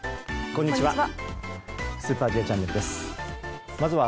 こんにちは。